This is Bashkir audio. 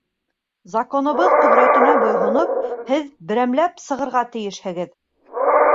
Законыбыҙ ҡөҙрәтенә буйһоноп, һеҙ берәмләп сығырға тейешһегеҙ.